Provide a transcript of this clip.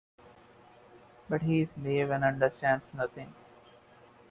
But he is naive and understands nothing.